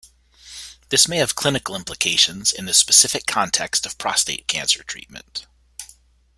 This may have clinical implications in the specific context of prostate cancer treatment.